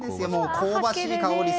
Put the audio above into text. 香ばしい香り。